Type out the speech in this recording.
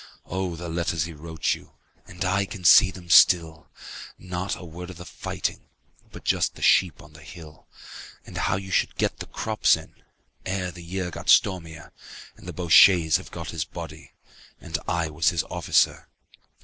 Oh, the letters he wrote you, And I can see them still. Not a word of the fighting But just the sheep on the hill And how you should get the crops in Ere the year got stormier, 40 And the Bosches have got his body. And I was his officer.